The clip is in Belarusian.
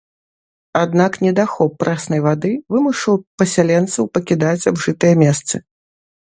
Аднак недахоп прэснай вады вымушаў пасяленцаў пакідаць абжытыя месцы.